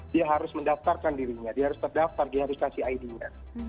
dia harus mendaftarkan dirinya dia harus terdaftar dia harus kasih id nya